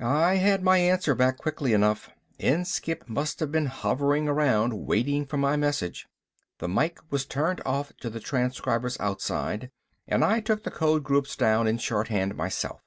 I had my answer back quickly enough, Inskipp must have been hovering around waiting for my message. The mike was turned off to the transcribers outside, and I took the code groups down in shorthand myself.